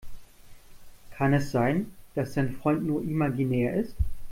Kann es sein, dass dein Freund nur imaginär ist?